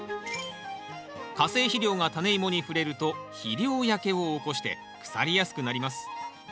化成肥料がタネイモに触れると肥料焼けを起こして腐りやすくなります。